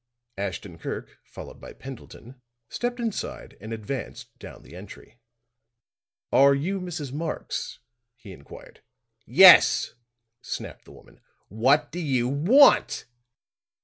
Ashton Kirk, followed by Pendleton, stepped inside and advanced down the entry. "Are you Mrs. Marx?" he inquired. "Yes," snapped the woman. "What do you want?"